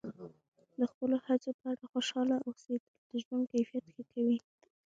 د خپلو هڅو په اړه خوشحاله اوسیدل د ژوند کیفیت ښه کوي.